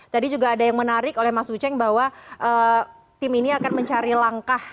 tadi juga ada yang menarik oleh mas uceng bahwa tim ini akan mencari langkah